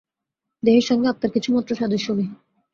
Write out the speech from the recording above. দেহের সঙ্গে আত্মার কিছুমাত্র সাদৃশ্য নেই।